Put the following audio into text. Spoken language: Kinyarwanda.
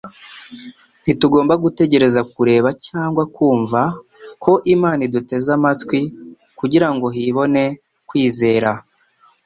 Ntitugomba gutegereza kureba cyangwa kumva ko Imana iduteze amatwi kugira ngo hibone kwizera.